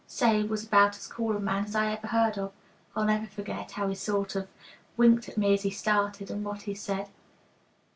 Say, he was about as cool a man as I ever heard of. I'll never forget how he sort of winked at me as he started, and what he said.